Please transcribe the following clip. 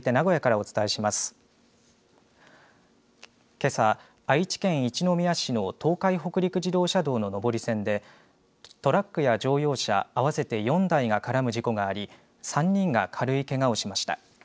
けさ愛知県一宮市の東海北陸自動車道の上り線でトラックや乗用車合わせて４台が絡む事故があり３人が軽いけがをしました。